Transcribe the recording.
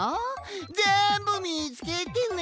ぜんぶみつけてね。